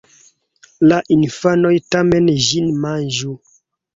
la infanoj tamen ĝin manĝu.